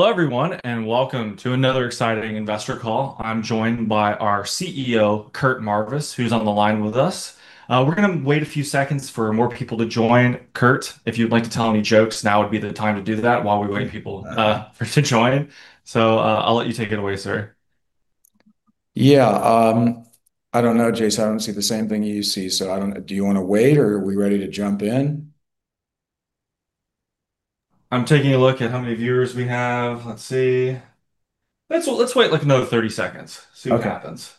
Hello, everyone, and welcome to another exciting investor call. I'm joined by our CEO, Curt Marvis, who's on the line with us. We're going to wait a few seconds for more people to join. Curt, if you'd like to tell any jokes, now would be the time to do that while we wait for people to join. I'll let you take it away, sir. Yeah. I don't know, Jace. I don't see the same thing you see, so I don't know. Do you want to wait, or are we ready to jump in? I'm taking a look at how many viewers we have. Let's see. Let's wait another 30 seconds. Okay. See what happens.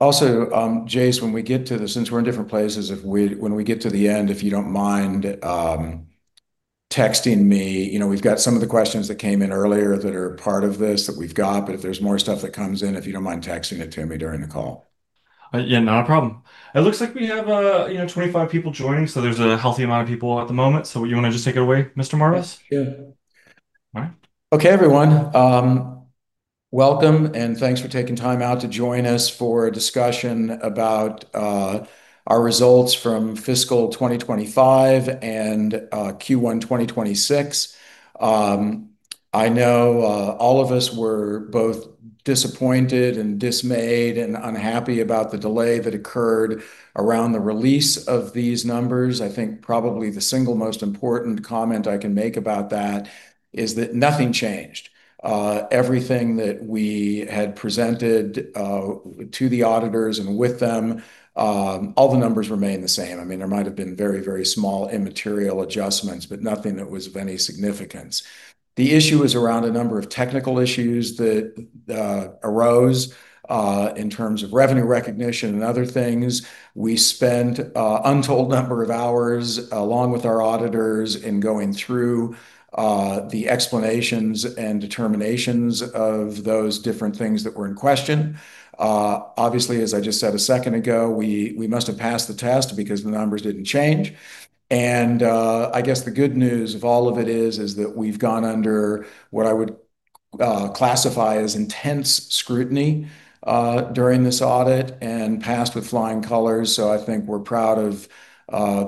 Jace, since we're in different places, when we get to the end, if you don't mind texting me. We've got some of the questions that came in earlier that are part of this that we've got, but if there's more stuff that comes in, if you don't mind texting it to me during the call. Yeah, not a problem. It looks like we have 25 people joining, there's a healthy amount of people at the moment. You want to just take it away, Mr. Marvis? Yeah. All right. Okay, everyone. Welcome and thanks for taking time out to join us for a discussion about our results from fiscal 2025 and Q1 2026. I know all of us were both disappointed and dismayed and unhappy about the delay that occurred around the release of these numbers. I think probably the single most important comment I can make about that is that nothing changed. Everything that we had presented to the auditors and with them, all the numbers remain the same. There might have been very, very small immaterial adjustments, but nothing that was of any significance. The issue is around a number of technical issues that arose in terms of revenue recognition and other things. We spent untold number of hours along with our auditors in going through the explanations and determinations of those different things that were in question. Obviously, as I just said a second ago, we must have passed the test because the numbers didn't change. I guess the good news of all of it is that we've gone under what I would classify as intense scrutiny during this audit and passed with flying colors. I think we're proud of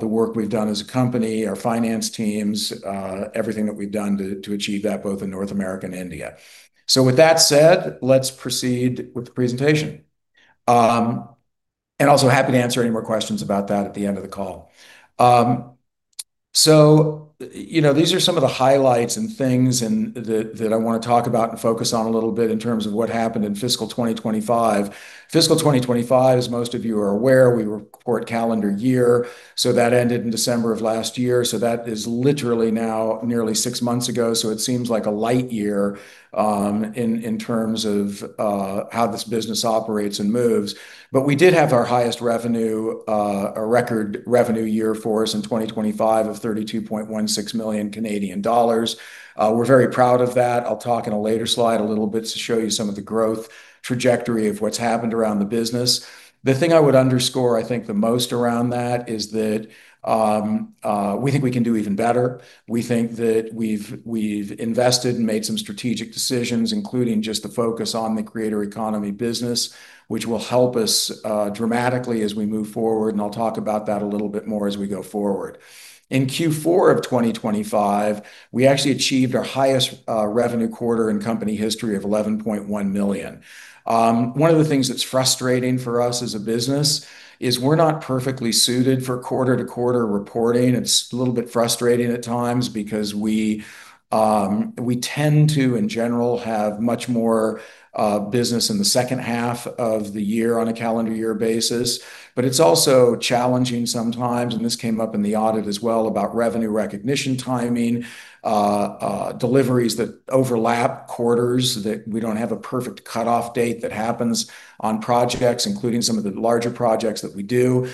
the work we've done as a company, our finance teams, everything that we've done to achieve that, both in North America and India. With that said, let's proceed with the presentation. Also happy to answer any more questions about that at the end of the call. These are some of the highlights and things that I want to talk about and focus on a little bit in terms of what happened in fiscal 2025. Fiscal 2025, as most of you are aware, we report calendar year. That ended in December of last year, that is literally now nearly six months ago. It seems like a light year in terms of how this business operates and moves. We did have our highest revenue, a record revenue year for us in 2025 of 32.16 million Canadian dollars. We're very proud of that. I'll talk in a later slide a little bit to show you some of the growth trajectory of what's happened around the business. The thing I would underscore, I think, the most around that is that we think we can do even better. We think that we've invested and made some strategic decisions, including just the focus on the creator economy business, which will help us dramatically as we move forward, and I'll talk about that a little bit more as we go forward. In Q4 of 2025, we actually achieved our highest revenue quarter in company history of 11.1 million. One of the things that's frustrating for us as a business is we're not perfectly suited for quarter-to-quarter reporting. It's a little bit frustrating at times because we tend to, in general, have much more business in the second half of the year on a calendar year basis. It's also challenging sometimes, and this came up in the audit as well about revenue recognition timing, deliveries that overlap quarters, that we don't have a perfect cutoff date that happens on projects, including some of the larger projects that we do.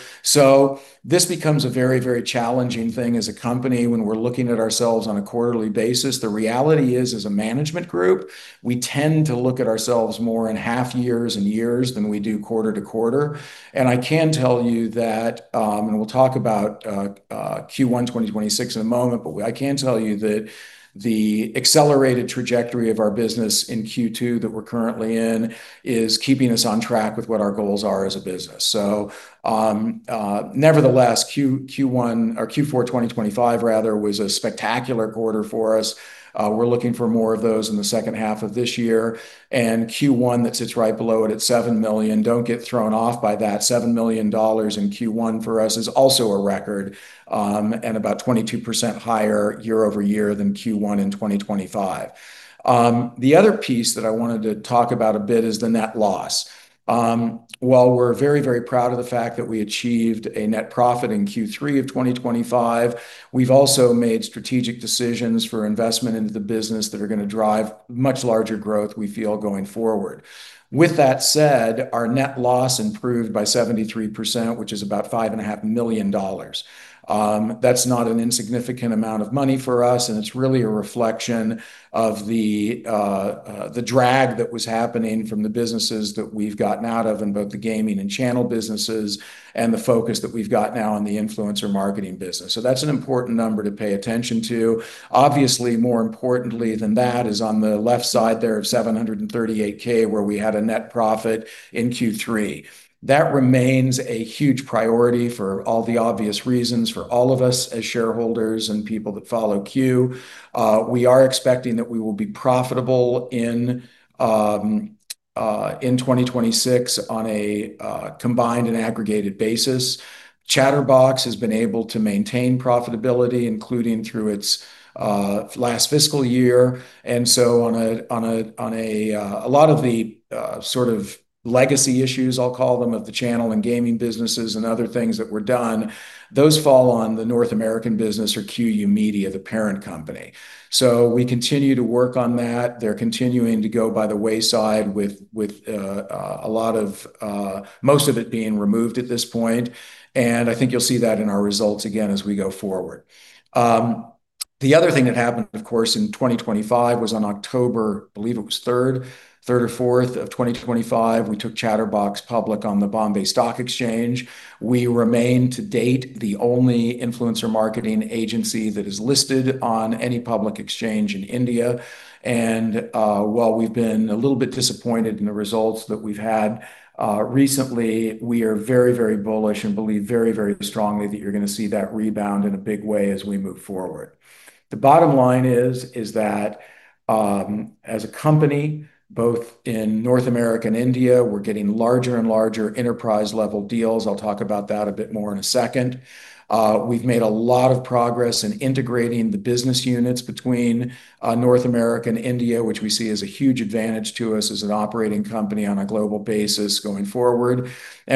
This becomes a very, very challenging thing as a company when we're looking at ourselves on a quarterly basis. The reality is, as a management group, we tend to look at ourselves more in half years and years than we do quarter to quarter. I can tell you that, and we'll talk about Q1 2026 in a moment, what I can tell you that the accelerated trajectory of our business in Q2 that we're currently in is keeping us on track with what our goals are as a business. Nevertheless, Q4 2025 was a spectacular quarter for us. We're looking for more of those in the second half of this year, and Q1 that sits right below it at 7 million. Don't get thrown off by that. 7 million dollars in Q1 for us is also a record, and about 22% higher year-over-year than Q1 in 2025. The other piece that I wanted to talk about a bit is the net loss. While we're very, very proud of the fact that we achieved a net profit in Q3 of 2025, we've also made strategic decisions for investment into the business that are going to drive much larger growth we feel going forward. With that said, our net loss improved by 73%, which is about 5.5 million dollars. That's not an insignificant amount of money for us, and it's really a reflection of the drag that was happening from the businesses that we've gotten out of in both the gaming and channel businesses, and the focus that we've got now on the influencer marketing business. That's an important number to pay attention to. Obviously, more importantly than that is on the left side there of 738K, where we had a net profit in Q3. That remains a huge priority for all the obvious reasons for all of us as shareholders and people that follow Q. We are expecting that we will be profitable in 2026, on a combined and aggregated basis, Chatterbox has been able to maintain profitability, including through its last fiscal year. On a lot of the sort of legacy issues, I'll call them, of the channel and gaming businesses and other things that were done, those fall on the North American business or QYOU Media, the parent company. We continue to work on that. They're continuing to go by the wayside with most of it being removed at this point, and I think you'll see that in our results again as we go forward. The other thing that happened, of course, in 2025 was on October, I believe it was 3rd or 4th of 2025, we took Chatterbox public on the Bombay Stock Exchange. We remain, to date, the only influencer marketing agency that is listed on any public exchange in India. While we've been a little bit disappointed in the results that we've had recently, we are very bullish and believe very strongly that you're going to see that rebound in a big way as we move forward. The bottom line is that, as a company, both in North America and India, we're getting larger and larger enterprise-level deals. I'll talk about that a bit more in a second. We've made a lot of progress in integrating the business units between North America and India, which we see as a huge advantage to us as an operating company on a global basis going forward.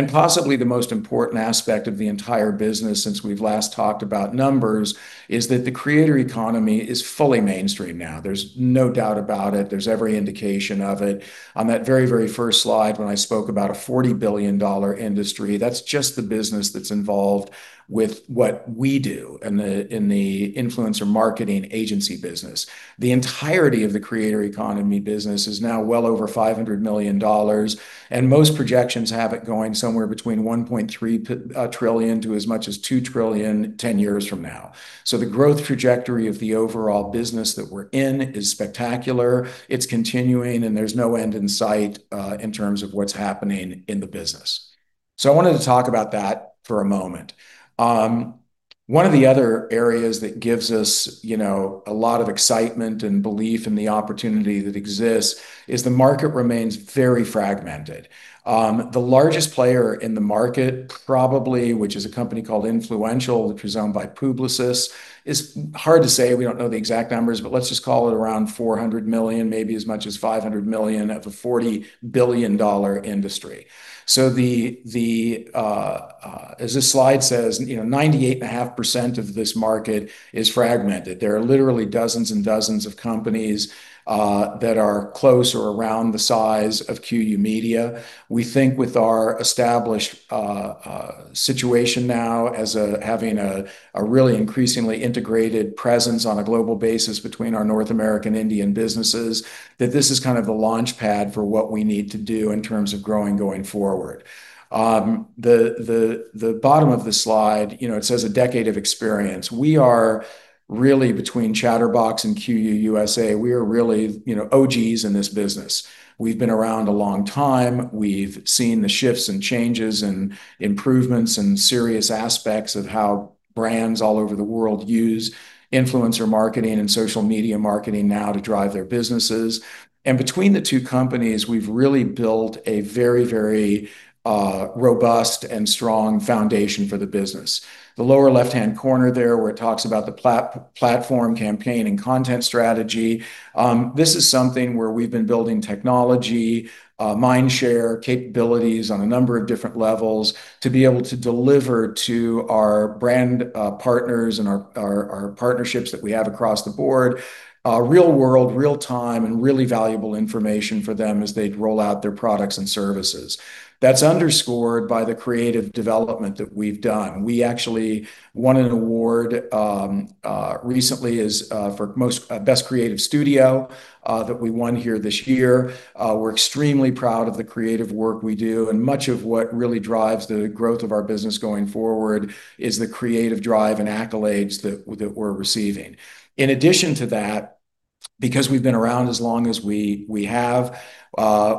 Possibly the most important aspect of the entire business since we've last talked about numbers is that the creator economy is fully mainstream now. There's no doubt about it. There's every indication of it. On that very first slide when I spoke about a 40 billion dollar industry, that's just the business that's involved with what we do in the influencer marketing agency business. The entirety of the creator economy business is now well over 500 million dollars, and most projections have it going somewhere between 1.3 trillion to as much as 2 trillion 10 years from now. The growth trajectory of the overall business that we're in is spectacular. It is continuing, and there is no end in sight, in terms of what is happening in the business. I wanted to talk about that for a moment. One of the other areas that gives us a lot of excitement and belief in the opportunity that exists is the market remains very fragmented. The largest player in the market probably, which is a company called Influential, which is owned by Publicis, it is hard to say, we do not know the exact numbers, but let us just call it around 400 million, maybe as much as 500 million of a 40 billion dollar industry. As this slide says, 98.5% of this market is fragmented. There are literally dozens and dozens of companies that are close or around the size of QYOU Media. We think with our established situation now as having a really increasingly integrated presence on a global basis between our North American, Indian businesses, that this is kind of the launch pad for what we need to do in terms of growing going forward. The bottom of the slide, it says a decade of experience. We are really, between Chatterbox and QYOU USA, we are really OGs in this business. We have been around a long time. We have seen the shifts and changes and improvements and serious aspects of how brands all over the world use influencer marketing and social media marketing now to drive their businesses. Between the two companies, we have really built a very robust and strong foundation for the business. The lower left-hand corner there, where it talks about the platform campaign and content strategy, this is something where we have been building technology, mind share capabilities on a number of different levels to be able to deliver to our brand partners and our partnerships that we have across the board, real world, real time, and really valuable information for them as they roll out their products and services. That is underscored by the creative development that we have done. We actually won an award, recently for Best Creative Studio, that we won here this year. We are extremely proud of the creative work we do, and much of what really drives the growth of our business going forward is the creative drive and accolades that we are receiving. In addition to that, because we have been around as long as we have,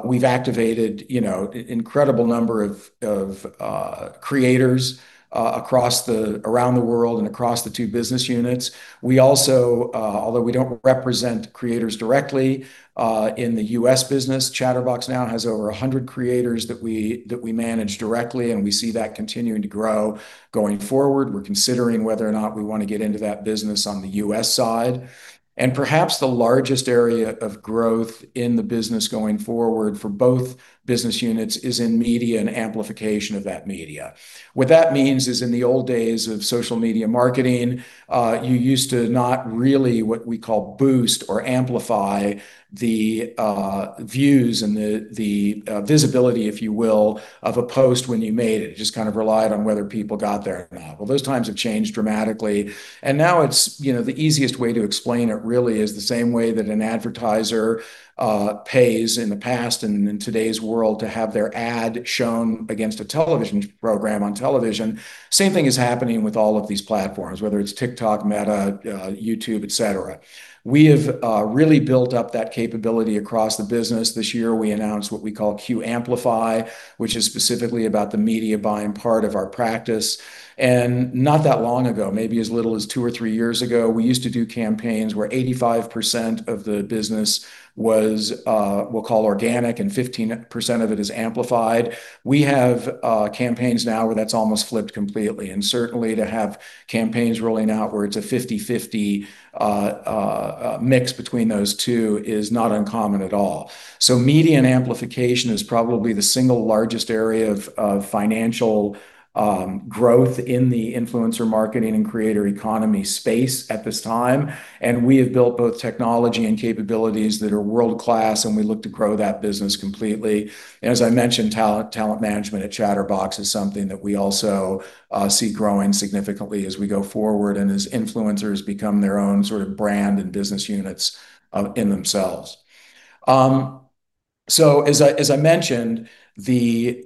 we have activated incredible number of creators around the world and across the two business units. We also, although we do not represent creators directly, in the U.S. business, Chatterbox now has over 100 creators that we manage directly, and we see that continuing to grow going forward. We are considering whether or not we want to get into that business on the U.S. side. Perhaps the largest area of growth in the business going forward for both business units is in media and amplification of that media. What that means is, in the old days of social media marketing, you used to not really what we call boost or amplify the views and the visibility, if you will, of a post when you made it. Just kind of relied on whether people got there or not. Those times have changed dramatically. Now the easiest way to explain it really is the same way that an advertiser pays in the past and in today's world to have their ad shown against a television program on television. Same thing is happening with all of these platforms, whether it's TikTok, Meta, YouTube, et cetera. We have really built up that capability across the business. This year, we announced what we call QYOU Amplify, which is specifically about the media buying part of our practice. Not that long ago, maybe as little as two or three years ago, we used to do campaigns where 85% of the business was, we'll call organic, and 15% of it is amplified. We have campaigns now where that's almost flipped completely. Certainly to have campaigns rolling out where it's a 50-50 mix between those two is not uncommon at all. Media and amplification is probably the single largest area of financial growth in the influencer marketing and creator economy space at this time. We have built both technology and capabilities that are world-class, and we look to grow that business completely. As I mentioned, talent management at Chatterbox is something that we also see growing significantly as we go forward and as influencers become their own sort of brand and business units in themselves. As I mentioned, the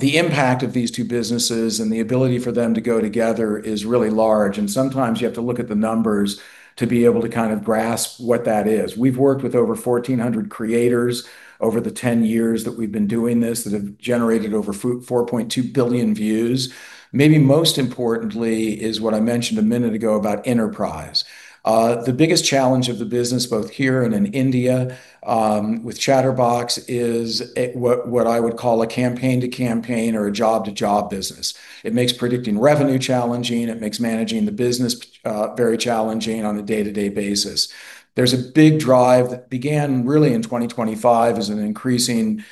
impact of these two businesses and the ability for them to go together is really large, and sometimes you have to look at the numbers to be able to grasp what that is. We've worked with over 1,400 creators over the 10 years that we've been doing this, that have generated over 4.2 billion views. Maybe most importantly is what I mentioned a minute ago about enterprise. The biggest challenge of the business, both here and in India, with Chatterbox is what I would call a campaign-to-campaign or a job-to-job business. It makes predicting revenue challenging. It makes managing the business very challenging on a day-to-day basis. There's a big drive that began really in 2025, is increasing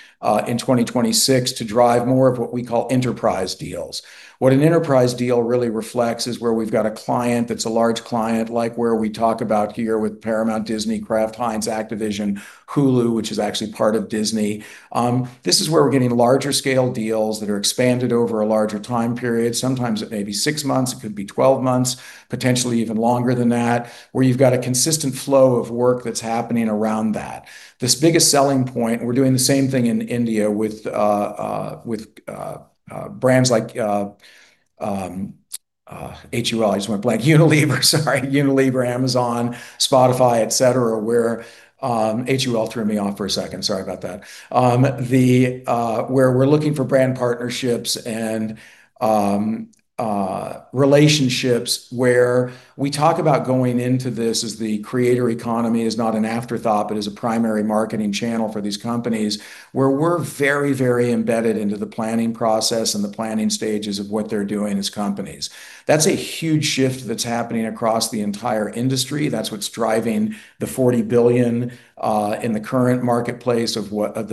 in 2026 to drive more of what we call enterprise deals. What an enterprise deal really reflects is where we've got a client that's a large client, like where we talk about here with Paramount, Disney, Kraft Heinz, Activision, Hulu, which is actually part of Disney. This is where we're getting larger scale deals that are expanded over a larger time period. Sometimes it may be six months, it could be 12 months, potentially even longer than that, where you've got a consistent flow of work that's happening around that. This biggest selling point, we're doing the same thing in India with brands like HUL. I just went blank. Unilever, sorry. Unilever, Amazon, Spotify, et cetera, where HUL threw me off for a second. Sorry about that. We're looking for brand partnerships and relationships, where we talk about going into this as the creator economy is not an afterthought, but is a primary marketing channel for these companies, where we're very embedded into the planning process and the planning stages of what they're doing as companies. That's a huge shift that's happening across the entire industry. That's what's driving the 40 billion in the current marketplace that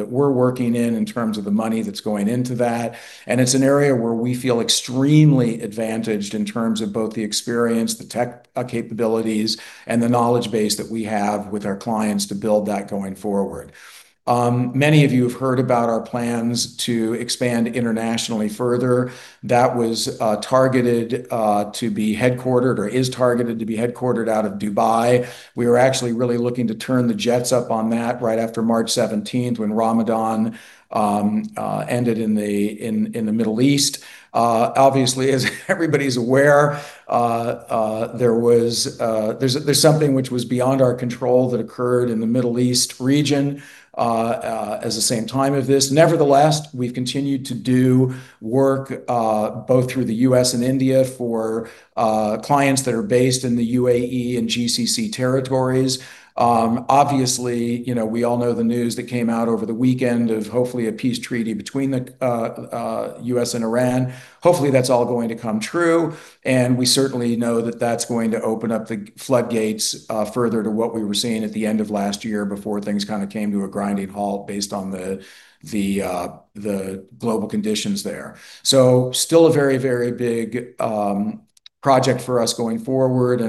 we're working in terms of the money that's going into that. It's an area where we feel extremely advantaged in terms of both the experience, the tech capabilities, and the knowledge base that we have with our clients to build that going forward. Many of you have heard about our plans to expand internationally further. That was targeted to be headquartered or is targeted to be headquartered out of Dubai. We were actually really looking to turn the jets up on that right after March 17th when Ramadan ended in the Middle East. Obviously, as everybody's aware, there's something which was beyond our control that occurred in the Middle East region as the same time of this. Nevertheless, we've continued to do work, both through the U.S. and India, for clients that are based in the UAE and GCC territories. Obviously, we all know the news that came out over the weekend of hopefully a peace treaty between the U.S. and Iran. Hopefully, that's all going to come true, and we certainly know that that's going to open up the floodgates further to what we were seeing at the end of last year before things came to a grinding halt based on the global conditions there. Still a very big project for us going forward.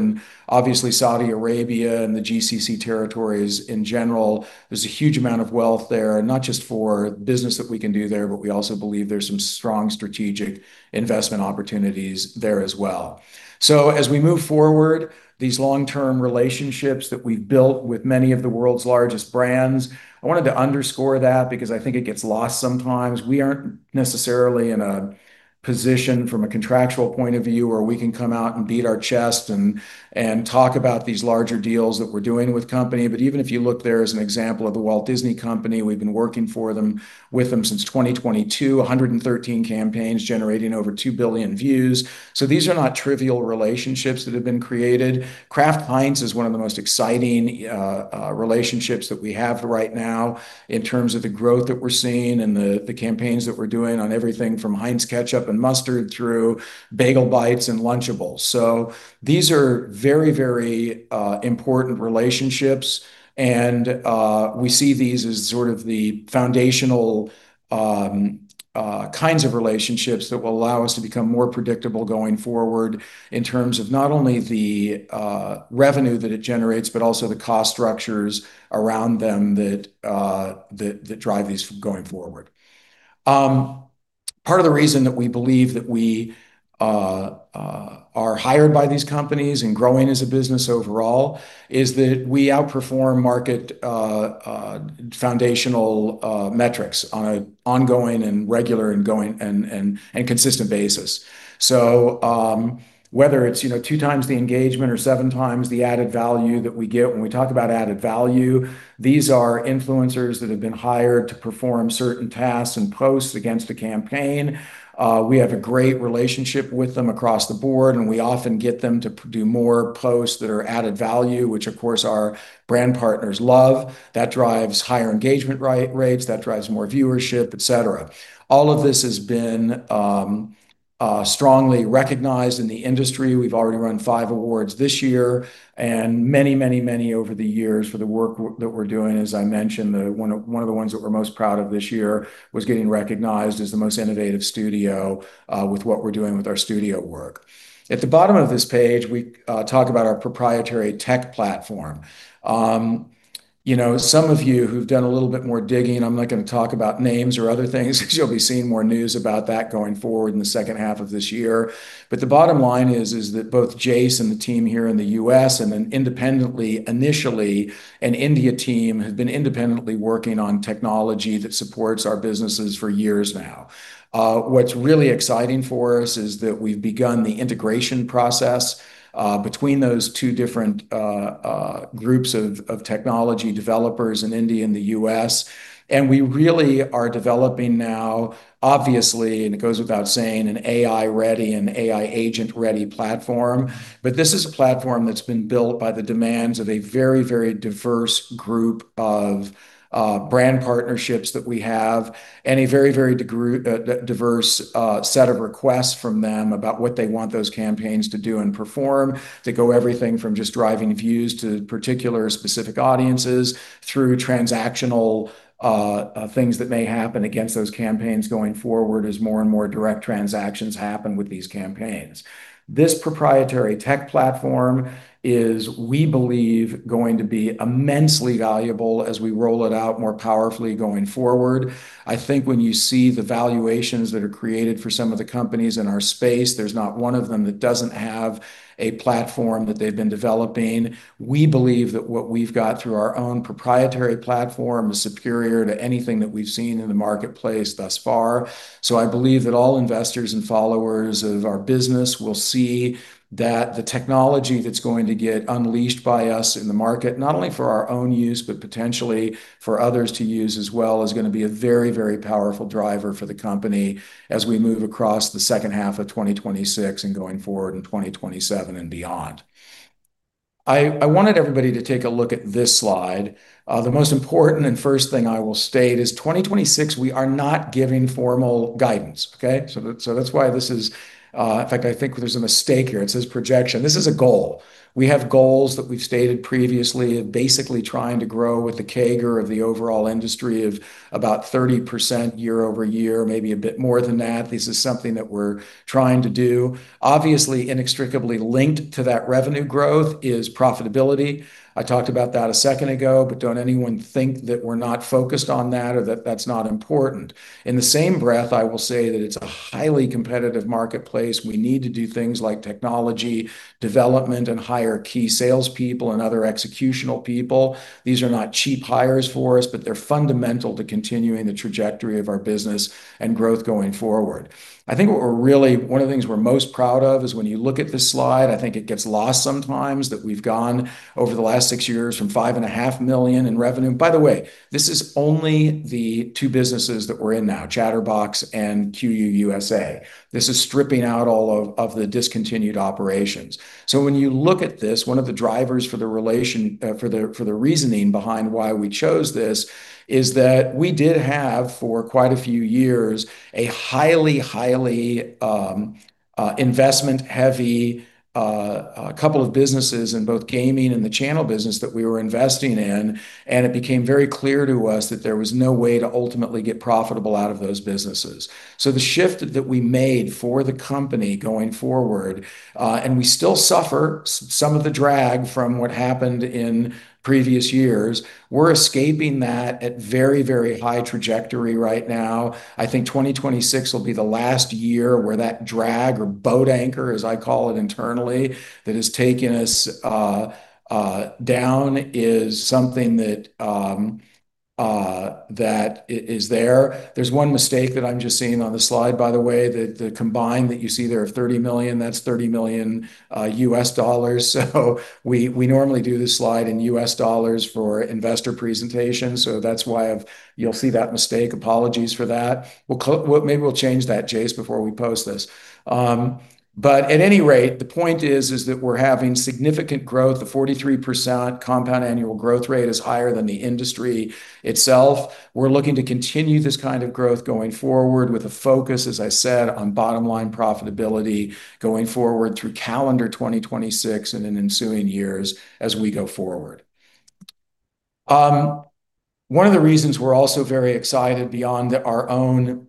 Obviously Saudi Arabia and the GCC territories in general, there's a huge amount of wealth there, not just for business that we can do there, but we also believe there's some strong strategic investment opportunities there as well. As we move forward, these long-term relationships that we've built with many of the world's largest brands, I wanted to underscore that because I think it gets lost sometimes. We aren't necessarily in a position from a contractual point of view where we can come out and beat our chest and talk about these larger deals that we're doing with company. Even if you look there as an example of a Walt Disney Company, we've been working with them since 2022, 113 campaigns generating over 2 billion views. These are not trivial relationships that have been created. Kraft Heinz is one of the most exciting relationships that we have right now in terms of the growth that we're seeing and the campaigns that we're doing on everything from Heinz Ketchup and Mustard through Bagel Bites and Lunchables. These are very important relationships, and we see these as sort of the foundational kinds of relationships that will allow us to become more predictable going forward in terms of not only the revenue that it generates, but also the cost structures around them that drive these going forward. Part of the reason that we believe that we are hired by these companies and growing as a business overall is that we outperform market foundational metrics on an ongoing and regular and consistent basis. Whether it's two times the engagement or seven times the added value that we get. When we talk about added value, these are influencers that have been hired to perform certain tasks and posts against a campaign. We have a great relationship with them across the board, we often get them to do more posts that are added value, which of course our brand partners love. That drives higher engagement rates, that drives more viewership, et cetera. All of this has been strongly recognized in the industry. We've already won five awards this year and many over the years for the work that we're doing. As I mentioned, one of the ones that we're most proud of this year was getting recognized as the most innovative studio, with what we're doing with our studio work. At the bottom of this page, we talk about our proprietary tech platform. Some of you who've done a little bit more digging, I'm not going to talk about names or other things because you'll be seeing more news about that going forward in the second half of this year. The bottom line is that both Jace and the team here in the U.S., and then independently, initially, an India team have been independently working on technology that supports our businesses for years now. What's really exciting for us is that we've begun the integration process between those two different groups of technology developers in India and the U.S., and we really are developing now, obviously, and it goes without saying, an AI-ready and AI agent-ready platform. This is a platform that's been built by the demands of a very diverse group of brand partnerships that we have, and a very diverse set of requests from them about what they want those campaigns to do and perform to go everything from just driving views to particular specific audiences through transactional things that may happen against those campaigns going forward as more and more direct transactions happen with these campaigns. This proprietary tech platform is, we believe, going to be immensely valuable as we roll it out more powerfully going forward. I think when you see the valuations that are created for some of the companies in our space, there's not one of them that doesn't have a platform that they've been developing. We believe that what we've got through our own proprietary platform is superior to anything that we've seen in the marketplace thus far. I believe that all investors and followers of our business will see that the technology that's going to get unleashed by us in the market, not only for our own use, but potentially for others to use as well, is going to be a very powerful driver for the company as we move across the second half of 2026 and going forward in 2027 and beyond. I wanted everybody to take a look at this slide. The most important and first thing I will state is 2026, we are not giving formal guidance, okay? That's why this is. In fact, I think there's a mistake here. It says projection. This is a goal. We have goals that we've stated previously of basically trying to grow with the CAGR of the overall industry of about 30% year-over-year, maybe a bit more than that. This is something that we're trying to do. Obviously, inextricably linked to that revenue growth is profitability. I talked about that a second ago. Don't anyone think that we're not focused on that or that that's not important. In the same breath, I will say that it's a highly competitive marketplace. We need to do things like technology development and hire key salespeople and other executional people. These are not cheap hires for us. They're fundamental to continuing the trajectory of our business and growth going forward. I think one of the things we're most proud of is when you look at this slide, I think it gets lost sometimes that we've gone over the last six years from $5.5 million in revenue. By the way, this is only the two businesses that we're in now, Chatterbox and QYOU USA. When you look at this, one of the drivers for the reasoning behind why we chose this is that we did have for quite a few years, a highly investment-heavy couple of businesses in both gaming and the channel business that we were investing in. It became very clear to us that there was no way to ultimately get profitable out of those businesses. The shift that we made for the company going forward. We still suffer some of the drag from what happened in previous years. We're escaping that at very high trajectory right now. I think 2026 will be the last year where that drag or boat anchor, as I call it internally, that has taken us down is something that is there. There's one mistake that I'm just seeing on the slide, by the way, the combined that you see there of 30 million, that's $30 million. We normally do this slide in U.S. dollars for investor presentations. That's why you'll see that mistake. Apologies for that. Maybe we'll change that, Jace, before we post this. At any rate, the point is that we're having significant growth of 43% CAGR is higher than the industry itself. We're looking to continue this kind of growth going forward with a focus, as I said, on bottom line profitability going forward through calendar 2026 and in ensuing years as we go forward. One of the reasons we're also very excited beyond our own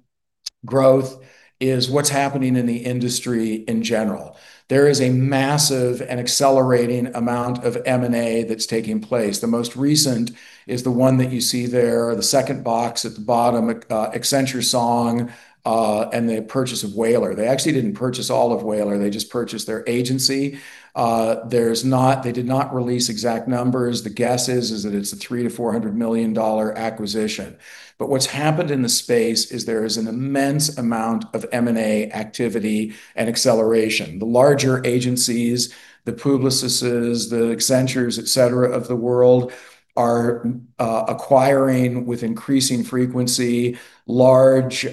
growth is what's happening in the industry in general. There is a massive and accelerating amount of M&A that's taking place. The most recent is the one that you see there, the second box at the bottom, Accenture Song, the purchase of Whalar. They actually didn't purchase all of Whalar. They just purchased their agency. They did not release exact numbers. The guess is that it's a $300 million-$400 million acquisition. What's happened in the space is there is an immense amount of M&A activity and acceleration. The larger agencies, the Publicis, the Accenture, et cetera, of the world are acquiring with increasing frequency large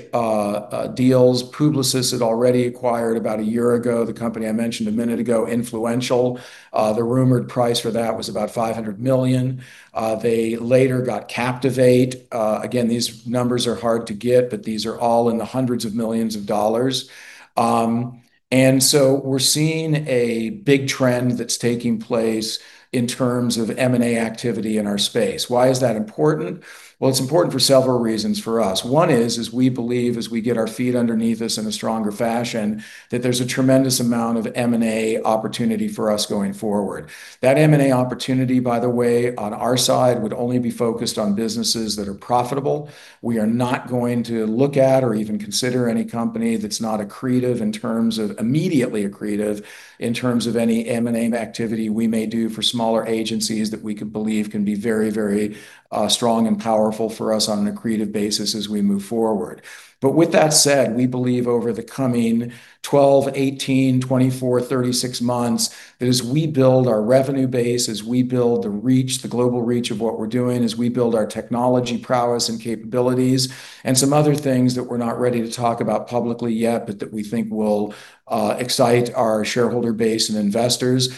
deals. Publicis had already acquired about one year ago, the company I mentioned a minute ago, Influential. The rumored price for that was about $500 million. They later got Captiv8. Again, these numbers are hard to get. These are all in the hundreds of millions of dollars. We're seeing a big trend that's taking place in terms of M&A activity in our space. Why is that important? Well, it's important for several reasons for us. One is, we believe as we get our feet underneath us in a stronger fashion, that there's a tremendous amount of M&A opportunity for us going forward. That M&A opportunity, by the way, on our side, would only be focused on businesses that are profitable. We are not going to look at or even consider any company that's not accretive in terms of immediately accretive in terms of any M&A activity we may do for smaller agencies that we could believe can be very strong and powerful for us on an accretive basis as we move forward. With that said, we believe over the coming 12, 18, 24, 36 months that as we build our revenue base, as we build the global reach of what we're doing, as we build our technology prowess and capabilities, and some other things that we're not ready to talk about publicly yet, but that we think will excite our shareholder base and investors,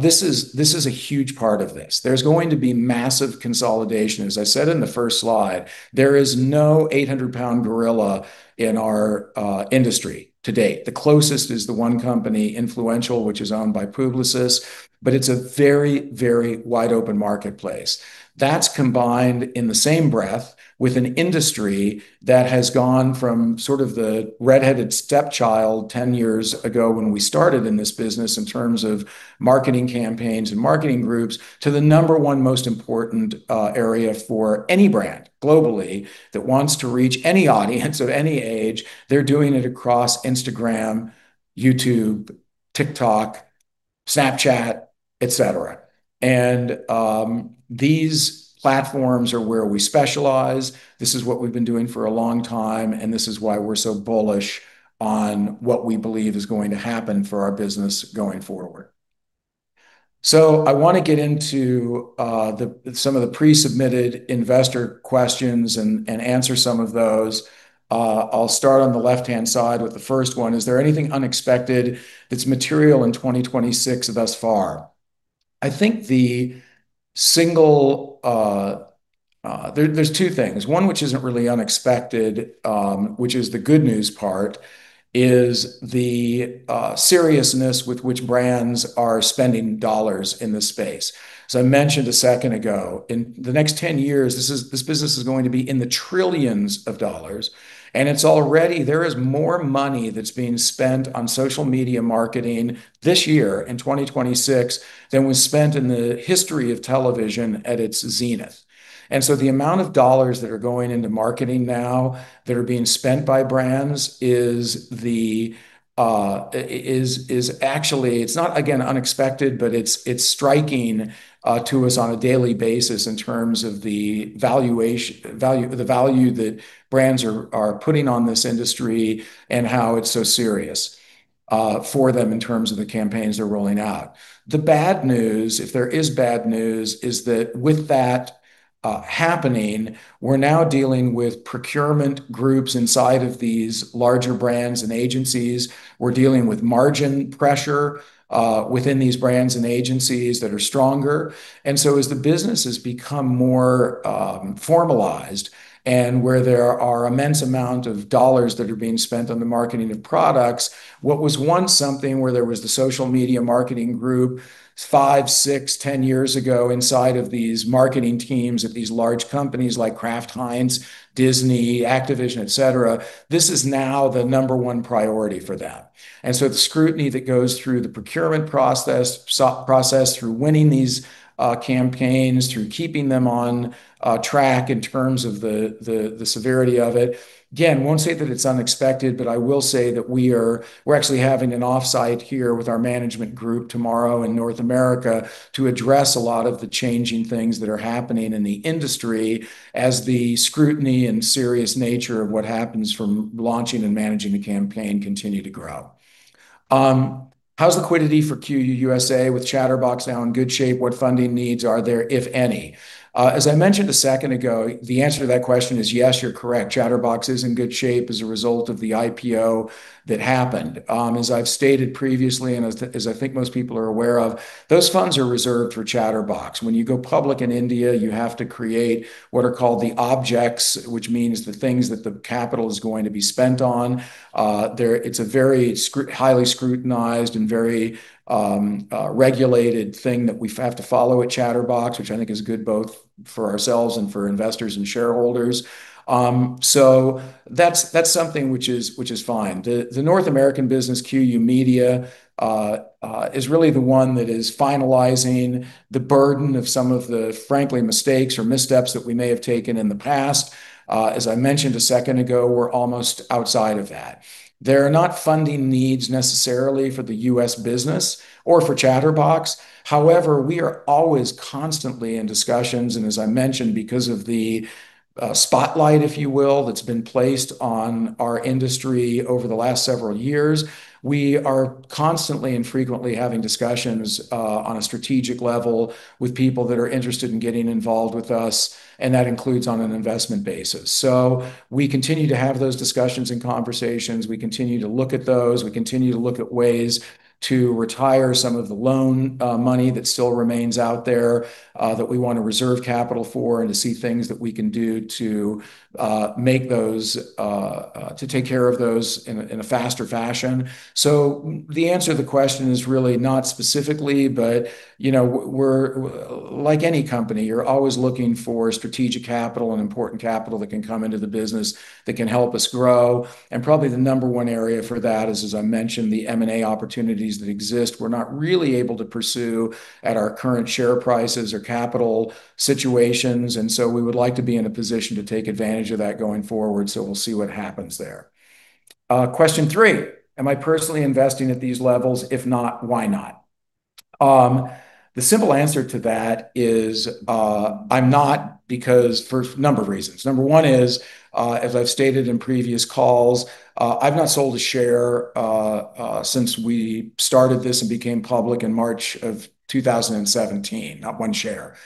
this is a huge part of this. There's going to be massive consolidation. As I said in the first slide, there is no 800-pound gorilla in our industry to date. The closest is the one company, Influential, which is owned by Publicis, but it's a very wide-open marketplace. That's combined in the same breath with an industry that has gone from sort of the red-headed stepchild 10 years ago when we started in this business in terms of marketing campaigns and marketing groups, to the number one most important area for any brand globally that wants to reach any audience of any age. They're doing it across Instagram, YouTube, TikTok, Snapchat, et cetera. These platforms are where we specialize. This is what we've been doing for a long time, and this is why we're so bullish on what we believe is going to happen for our business going forward. I want to get into some of the pre-submitted investor questions and answer some of those. I'll start on the left-hand side with the first one. Is there anything unexpected that's material in 2026 thus far? There's two things. One which isn't really unexpected, which is the good news part, is the seriousness with which brands are spending dollars in this space. As I mentioned a second ago, in the next 10 years, this business is going to be in the trillions of dollars, and it's all ready. There is more money that's being spent on social media marketing this year in 2026 than was spent in the history of television at its zenith. The amount of dollars that are going into marketing now that are being spent by brands is actually, it's not, again, unexpected, but it's striking to us on a daily basis in terms of the value that brands are putting on this industry and how it's so serious for them in terms of the campaigns they're rolling out. The bad news, if there is bad news, is that with that happening, we're now dealing with procurement groups inside of these larger brands and agencies. We're dealing with margin pressure within these brands and agencies that are stronger. As the business has become more formalized, and where there are immense amount of dollars that are being spent on the marketing of products, what was once something where there was the social media marketing group five, six, 10 years ago inside of these marketing teams at these large companies like Kraft Heinz, Disney, Activision, et cetera, this is now the number one priority for them. The scrutiny that goes through the procurement process, through winning these campaigns, through keeping them on track in terms of the severity of it, again, won't say that it's unexpected, but I will say that we're actually having an offsite here with our management group tomorrow in North America to address a lot of the changing things that are happening in the industry as the scrutiny and serious nature of what happens from launching and managing a campaign continue to grow. How's liquidity for QYOU USA with Chatterbox now in good shape? What funding needs are there, if any? As I mentioned a second ago, the answer to that question is yes, you're correct. Chatterbox is in good shape as a result of the IPO that happened. As I've stated previously, and as I think most people are aware of, those funds are reserved for Chatterbox. When you go public in India, you have to create what are called the objects, which means the things that the capital is going to be spent on. It's a very highly scrutinized and very regulated thing that we have to follow at Chatterbox, which I think is good both for ourselves and for investors and shareholders. That's something which is fine. The North American business, QYOU Media, is really the one that is finalizing the burden of some of the, frankly, mistakes or missteps that we may have taken in the past. As I mentioned a second ago, we're almost outside of that. There are not funding needs necessarily for the U.S. business or for Chatterbox. However, we are always constantly in discussions, and as I mentioned, because of the spotlight, if you will, that's been placed on our industry over the last several years, we are constantly and frequently having discussions on a strategic level with people that are interested in getting involved with us, and that includes on an investment basis. We continue to have those discussions and conversations. We continue to look at those. We continue to look at ways to retire some of the loan money that still remains out there that we want to reserve capital for and to see things that we can do to take care of those in a faster fashion. The answer to the question is really not specifically, but like any company, you're always looking for strategic capital and important capital that can come into the business that can help us grow. Probably the number one area for that is, as I mentioned, the M&A opportunities that exist we're not really able to pursue at our current share prices or capital situations. We would like to be in a position to take advantage of that going forward. We'll see what happens there. Question three, am I personally investing at these levels? If not, why not? The simple answer to that is I'm not, because for a number of reasons. Number one is, as I've stated in previous calls, I've not sold a share since we started this and became public in March of 2017. Not one share.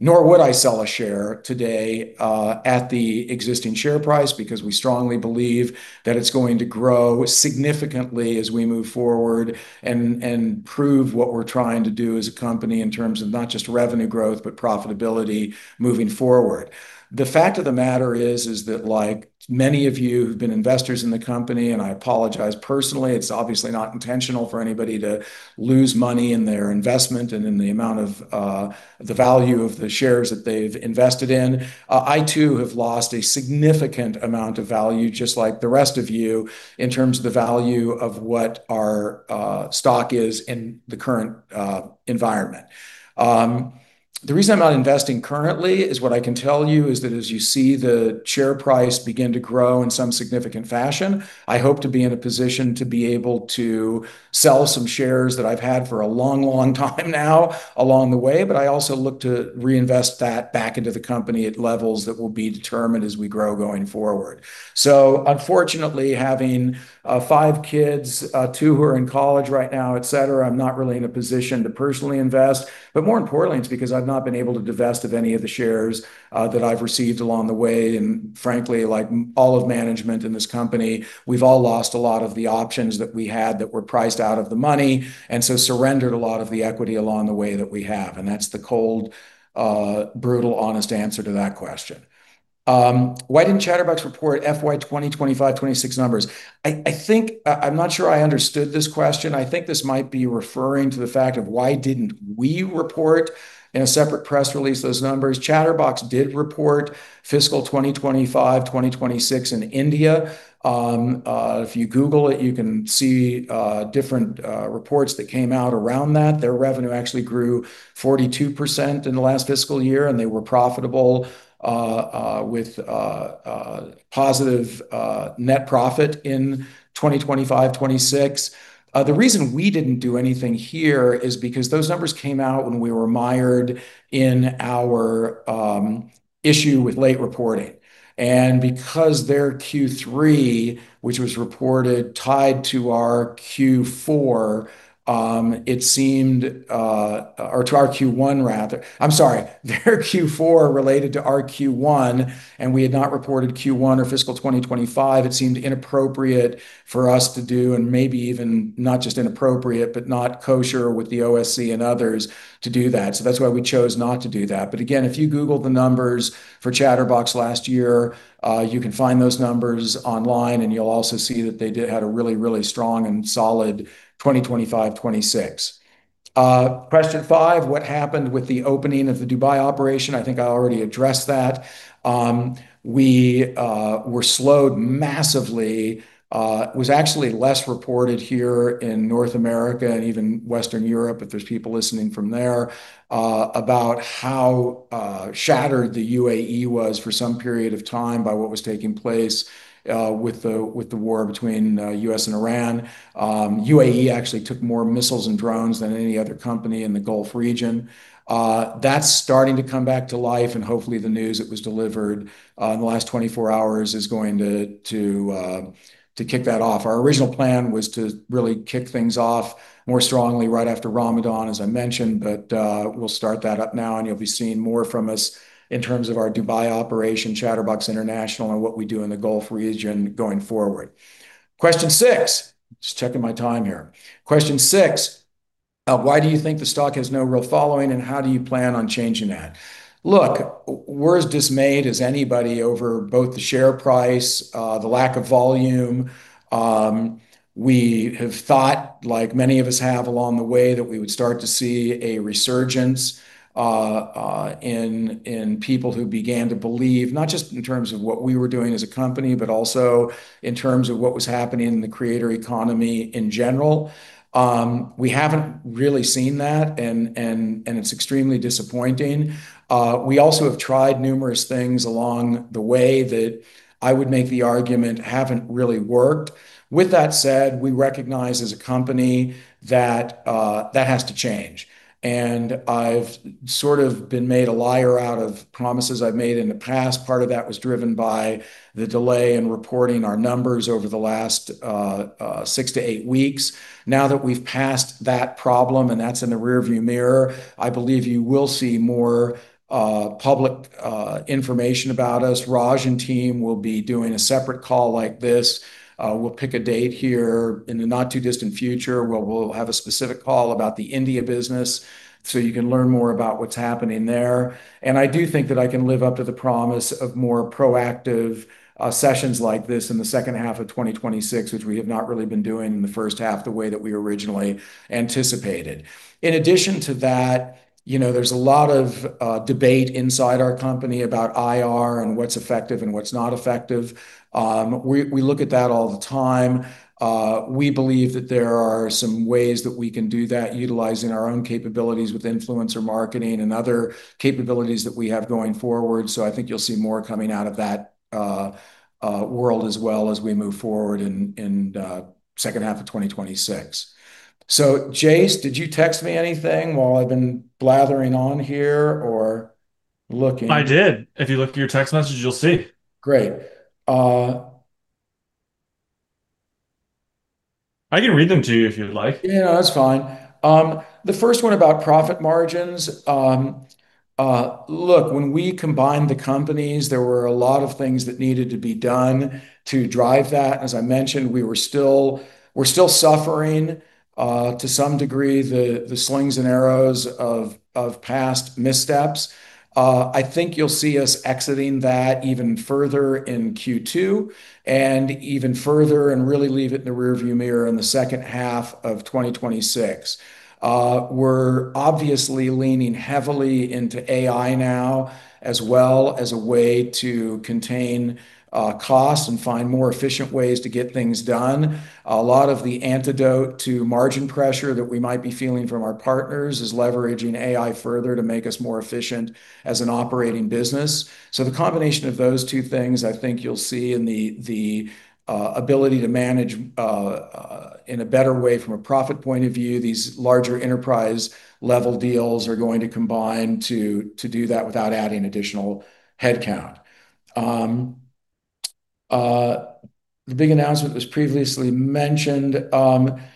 Nor would I sell a share today at the existing share price, because we strongly believe that it's going to grow significantly as we move forward and prove what we're trying to do as a company in terms of not just revenue growth, but profitability moving forward. The fact of the matter is that like many of you who've been investors in the company, and I apologize personally, it's obviously not intentional for anybody to lose money in their investment and in the amount of the value of the shares that they've invested in. I too have lost a significant amount of value, just like the rest of you, in terms of the value of what our stock is in the current environment. The reason I'm not investing currently is what I can tell you is that as you see the share price begin to grow in some significant fashion, I hope to be in a position to be able to sell some shares that I've had for a long time now along the way. I also look to reinvest that back into the company at levels that will be determined as we grow going forward. Unfortunately, having five kids, two who are in college right now, et cetera, I'm not really in a position to personally invest, but more importantly, it's because I've not been able to divest of any of the shares that I've received along the way. Frankly, like all of management in this company, we've all lost a lot of the options that we had that were priced out of the money, and surrendered a lot of the equity along the way that we have. That's the cold, brutal, honest answer to that question. Why didn't Chatterbox report FY 2025, 2026 numbers? I'm not sure I understood this question. I think this might be referring to the fact of why didn't we report in a separate press release those numbers. Chatterbox did report fiscal 2025, 2026 in India. If you Google it, you can see different reports that came out around that. Their revenue actually grew 42% in the last fiscal year, and they were profitable, with positive net profit in 2025, 2026. The reason we didn't do anything here is because those numbers came out when we were mired in our issue with late reporting. Because their Q3, which was reported tied to our Q4, it seemed or to our Q1 rather, I'm sorry, their Q4 related to our Q1, and we had not reported Q1 or fiscal 2025, it seemed inappropriate for us to do, and maybe even not just inappropriate, but not kosher with the OSC and others to do that. That's why we chose not to do that. Again, if you google the numbers for Chatterbox last year, you can find those numbers online and you'll also see that they had a really strong and solid 2025, 2026. Question five: What happened with the opening of the Dubai operation? I think I already addressed that. We were slowed massively. It was actually less reported here in North America and even Western Europe, if there's people listening from there, about how shattered the UAE was for some period of time by what was taking place with the war between U.S. and Iran. UAE actually took more missiles and drones than any other company in the Gulf region. That's starting to come back to life, and hopefully the news that was delivered in the last 24 hours is going to kick that off. Our original plan was to really kick things off more strongly right after Ramadan, as I mentioned, but we'll start that up now and you'll be seeing more from us in terms of our Dubai operation, Chatterbox International, and what we do in the Gulf region going forward. Question six. Just checking my time here. Question six: Why do you think the stock has no real following, how do you plan on changing that? Look, we're as dismayed as anybody over both the share price, the lack of volume. We have thought, like many of us have along the way, that we would start to see a resurgence in people who began to believe, not just in terms of what we were doing as a company, but also in terms of what was happening in the creator economy in general. We haven't really seen that, it's extremely disappointing. We also have tried numerous things along the way that I would make the argument haven't really worked. With that said, we recognize as a company that has to change, and I've sort of been made a liar out of promises I've made in the past. Part of that was driven by the delay in reporting our numbers over the last six to eight weeks. Now that we've passed that problem, and that's in the rear view mirror, I believe you will see more public information about us. Raj and team will be doing a separate call like this. We'll pick a date here in the not-too-distant future where we'll have a specific call about the India business so you can learn more about what's happening there. I do think that I can live up to the promise of more proactive sessions like this in the second half of 2026, which we have not really been doing in the first half the way that we originally anticipated. In addition to that, there's a lot of debate inside our company about IR and what's effective and what's not effective. We look at that all the time. We believe that there are some ways that we can do that utilizing our own capabilities with influencer marketing and other capabilities that we have going forward. I think you'll see more coming out of that world as well as we move forward in second half of 2026. Jace, did you text me anything while I've been blathering on here or looking? I did. If you look at your text messages, you'll see. Great. I can read them to you if you would like. Yeah, that's fine. The first one about profit margins. Look, when we combined the companies, there were a lot of things that needed to be done to drive that. As I mentioned, we're still suffering to some degree the slings and arrows of past missteps. I think you'll see us exiting that even further in Q2, and even further and really leave it in the rear view mirror in the second half of 2026. We're obviously leaning heavily into AI now as well as a way to contain costs and find more efficient ways to get things done. A lot of the antidote to margin pressure that we might be feeling from our partners is leveraging AI further to make us more efficient as an operating business. The combination of those two things, I think you'll see in the ability to manage in a better way from a profit point of view, these larger enterprise-level deals are going to combine to do that without adding additional headcount. The big announcement was previously mentioned. I'm not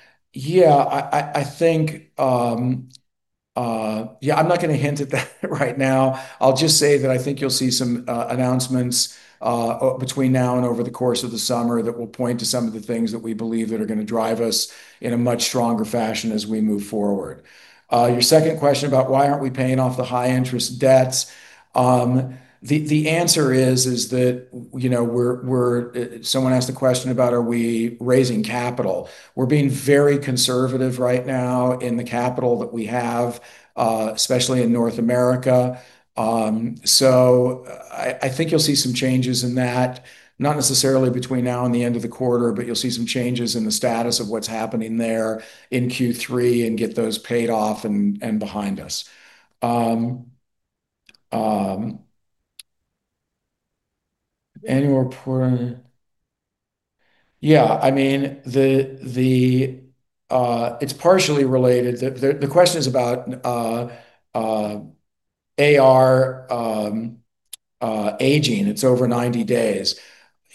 going to hint at that right now. I'll just say that I think you'll see some announcements between now and over the course of the summer that will point to some of the things that we believe that are going to drive us in a much stronger fashion as we move forward. Your second question about why aren't we paying off the high-interest debts? The answer is that, someone asked a question about are we raising capital. We're being very conservative right now in the capital that we have, especially in North America. I think you'll see some changes in that, not necessarily between now and the end of the quarter, but you'll see some changes in the status of what's happening there in Q3 and get those paid off and behind us. Annual report. It's partially related. The question is about AR aging. It's over 90 days.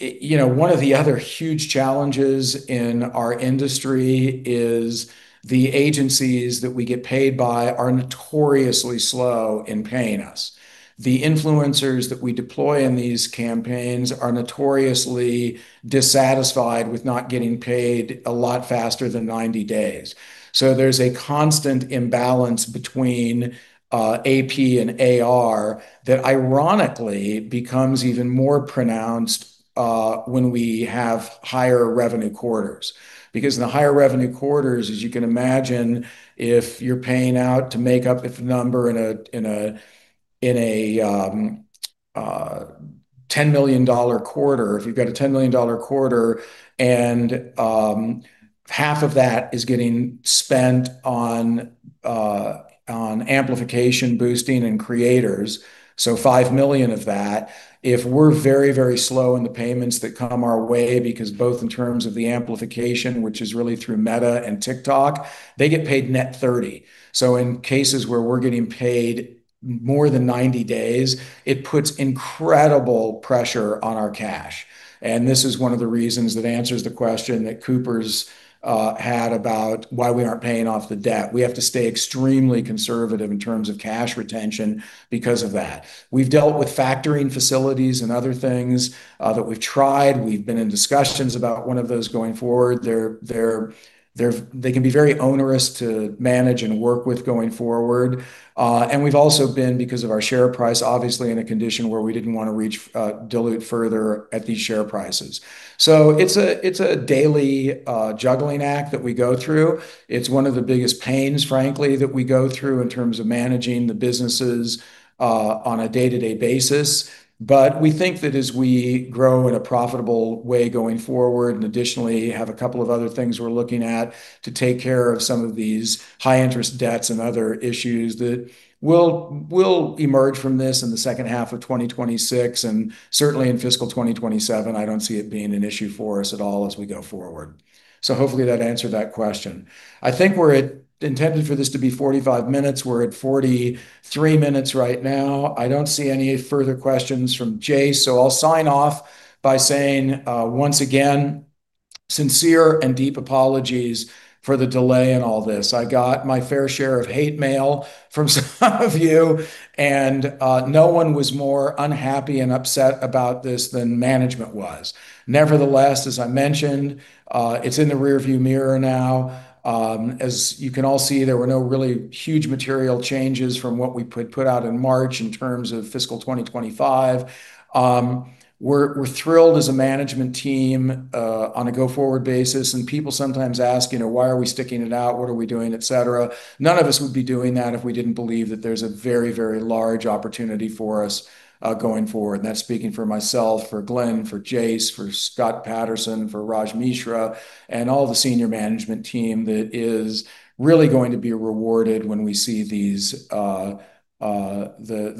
One of the other huge challenges in our industry is the agencies that we get paid by are notoriously slow in paying us. The influencers that we deploy in these campaigns are notoriously dissatisfied with not getting paid a lot faster than 90 days. There's a constant imbalance between AP and AR that ironically becomes even more pronounced when we have higher revenue quarters. In the higher revenue quarters, as you can imagine, if you're paying out to make up, if a number in a 10 million dollar quarter, if you've got a 10 million dollar quarter and half of that is getting spent on amplification, boosting, and creators, 5 million of that. If we're very, very slow in the payments that come our way, because both in terms of the amplification, which is really through Meta and TikTok, they get paid net 30. In cases where we're getting paid more than 90 days, it puts incredible pressure on our cash. This is one of the reasons that answers the question that Cooper's had about why we aren't paying off the debt. We have to stay extremely conservative in terms of cash retention because of that. We've dealt with factoring facilities and other things that we've tried. We've been in discussions about one of those going forward. They can be very onerous to manage and work with going forward. We've also been, because of our share price, obviously in a condition where we didn't want to dilute further at these share prices. It's a daily juggling act that we go through. It's one of the biggest pains, frankly, that we go through in terms of managing the businesses on a day-to-day basis. We think that as we grow in a profitable way going forward, and additionally have a couple of other things we're looking at to take care of some of these high-interest debts and other issues that we'll emerge from this in the second half of 2026 and certainly in fiscal 2027. I don't see it being an issue for us at all as we go forward. Hopefully that answered that question. I think we're intended for this to be 45 minutes. We're at 43 minutes right now. I don't see any further questions from Jace, I'll sign off by saying, once again, sincere and deep apologies for the delay in all this. I got my fair share of hate mail from some of you, and no one was more unhappy and upset about this than management was. Nevertheless, as I mentioned, it's in the rear view mirror now. As you can all see, there were no really huge material changes from what we put out in March in terms of fiscal 2025. We're thrilled as a management team on a go-forward basis. People sometimes ask, "Why are we sticking it out? What are we doing?" Et cetera. None of us would be doing that if we didn't believe that there's a very, very large opportunity for us going forward. That's speaking for myself, for Glenn, for Jace, for Scott Paterson, for Raj Mishra, and all the senior management team that is really going to be rewarded when we see the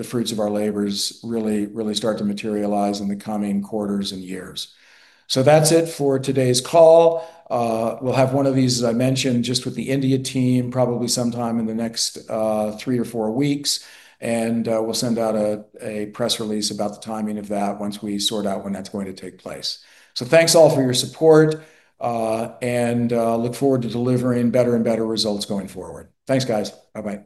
fruits of our labors really start to materialize in the coming quarters and years. That's it for today's call. We'll have one of these, as I mentioned, just with the India team, probably sometime in the next three or four weeks. We'll send out a press release about the timing of that once we sort out when that's going to take place. Thanks, all, for your support, and look forward to delivering better and better results going forward. Thanks, guys. Bye-bye.